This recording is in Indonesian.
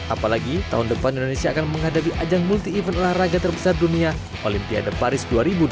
apalagi tahun depan indonesia akan menghadapi ajang multi event olahraga terbesar dunia olimpiade paris dua ribu dua puluh